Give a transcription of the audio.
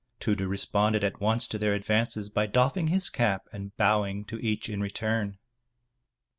Tudur responded at once to their ad vances by doffing his cap and bowing to each in return.